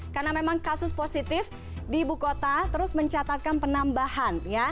karena memang kasus positif di ibu kota terus mencatatkan penambahan